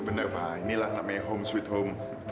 bener pak inilah namanya home sweet home